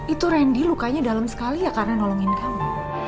itu randy lukanya dalam sekali ya karena nolongin kamu